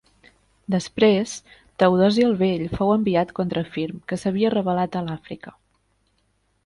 Després, Teodosi el vell fou enviat contra Firm, que s'havia rebel·lat a l'Àfrica.